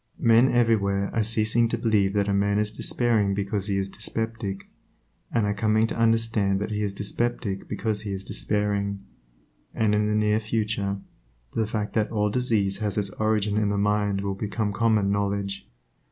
Men everywhere are ceasing to believe that a man is despairing because he is dyspeptic, and are coming to understand that he is dyspeptic because he is despairing, and in the near future, the fact that all disease has its origin in the mind will become common knowledge.